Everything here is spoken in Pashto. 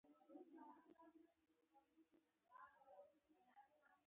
بشرا ته مې دا کیسه وکړه.